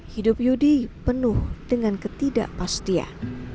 hidup yudi penuh dengan ketidakpastian